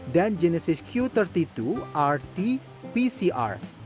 dan genesis q tiga puluh dua rt pcr